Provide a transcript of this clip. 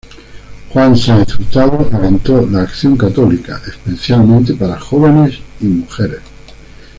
Juan Sáez Hurtado alentó la Acción Católica, especialmente para jóvenes y mujeres.